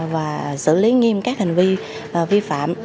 và xử lý nghiêm các hành vi vi phạm